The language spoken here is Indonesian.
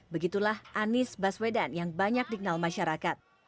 begitulah anies baswedan yang banyak dikenal masyarakat